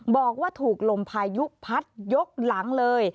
บอกว่าถูกลมพายุพัดยกหลังเลย